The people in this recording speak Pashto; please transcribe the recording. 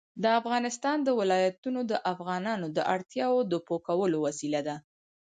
د افغانستان ولايتونه د افغانانو د اړتیاوو د پوره کولو وسیله ده.